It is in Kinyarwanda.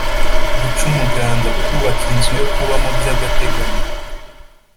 guca umuganda: kubaka inzu yo kubamo by’agateganyo